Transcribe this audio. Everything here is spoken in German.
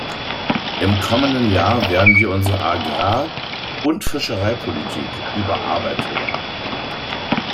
Im kommenden Jahr werden wir unsere Agrar- und Fischereipolitik überarbeiten.